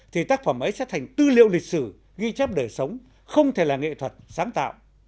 thì tác phẩm ấy sẽ thành tư liệu lịch sử ghi chép đời sống không thể là nghệ thuật sáng tạo